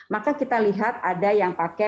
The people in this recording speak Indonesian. maka kita lihat ada yang pakai